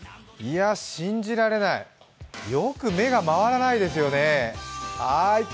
信じられない、よく目が回らないですよね。